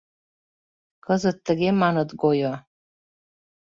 Кызыт тыге маныт гойо.